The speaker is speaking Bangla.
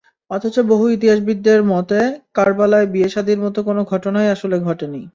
অথচ বহু ইতিহাসবিদের মতে, কারবালায় বিয়ে-শাদির মতো কোনো ঘটনাই আসলে ঘটেনি।